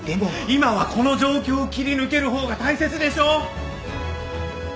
今はこの状況を切り抜ける方が大切でしょう。